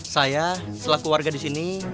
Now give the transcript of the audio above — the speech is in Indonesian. saya selaku warga disini